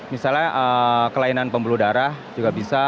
misalnya kelainan pembuluh darah juga bisa